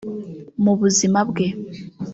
Mu buzima bwe